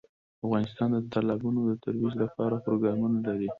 افغانستان د تالابونو د ترویج لپاره پروګرامونه لري.